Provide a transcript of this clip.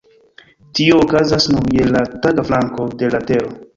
Tio okazas nur je la taga flanko de la Tero.